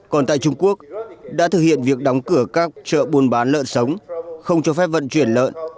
còn tại trung quốc đã thực hiện việc đóng cửa các chợ buôn bán lợn sống không cho phép vận chuyển lợn